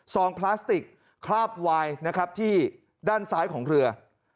องพลาสติกคราบวายนะครับที่ด้านซ้ายของเรือ